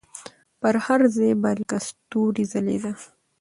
پر هر ځای به لکه ستوري ځلېدله